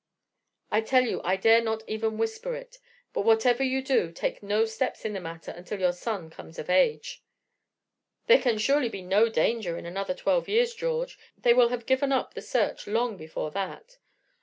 I tell you I dare not even whisper it; but whatever you do, take no steps in the matter until your son comes of age." "There can surely be no danger in another twelve years, George; they will have given up the search long before that."